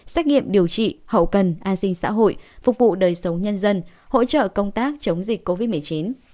xét nghiệm điều trị hậu cần an sinh xã hội phục vụ đời sống nhân dân hỗ trợ công tác chống dịch covid một mươi chín